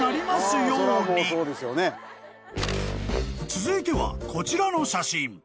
［続いてはこちらの写真］